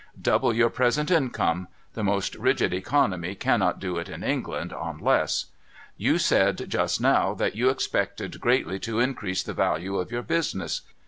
Double your ])resent income —• the most rigid economy cannot do it in England on less. You said just now that you expected greatly to increase the value of your business.